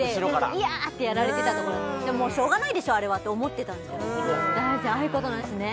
「いや」ってやられてたとこなのでもしょうがないでしょあれはって思ってたんだけどああいうことなんですね